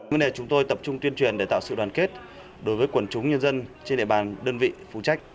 vấn đề chúng tôi tập trung tuyên truyền để tạo sự đoàn kết đối với quần chúng nhân dân trên địa bàn đơn vị phụ trách